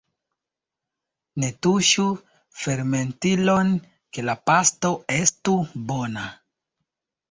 Ne tuŝu fermentilon, ke la pasto estu bona!